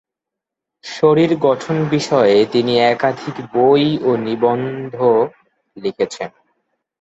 শরীর গঠন বিষয়ে তিনি একাধিক বই ও নিবন্ধ লিখেছেন।